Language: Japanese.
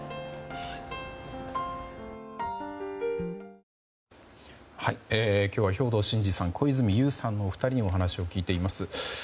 この戦争ですが今日は兵頭慎治さん小泉悠さんのお二人にお話を聞いています。